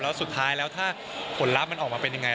แล้วสุดท้ายแล้วถ้าผลลัพธ์มันออกมาเป็นยังไง